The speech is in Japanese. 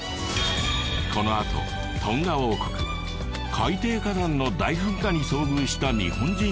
このあとトンガ王国海底火山の大噴火に遭遇した日本人